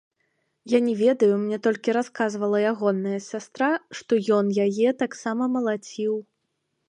Я не ведаю, мне толькі расказвала ягоная сястра, што ён яе таксама малаціў.